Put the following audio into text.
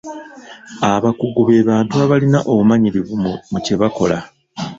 Abakugu be bantu abalina obumanyirivu mu kye bakola.